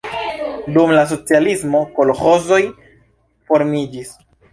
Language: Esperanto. Dum la socialismo kolĥozoj formiĝis.